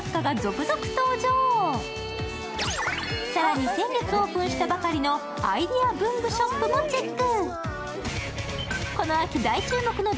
更に先月オープンしたばかりのアイデア文具ショップもチェック。